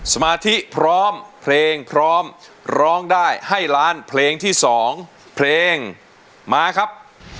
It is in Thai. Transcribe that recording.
สมาธิพร้อมเพลงพร้อมร้องได้ให้ล้านเพลงที่๒เพลงมาครับ